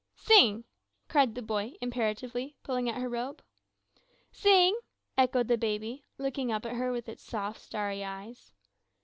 "Sing!" cried the boy imperatively, pulling at her robe. "Sing!" echoed the baby, looking up at her with his soft, starry eyes.